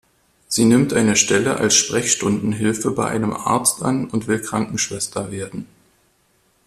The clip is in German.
Sie nimmt eine Stelle als Sprechstundenhilfe bei einem Arzt an und will Krankenschwester werden.